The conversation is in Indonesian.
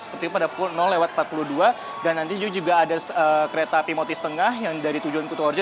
seperti pada pukul empat puluh dua dan nanti juga ada kereta api motis tengah yang dari tujuan kutuarjo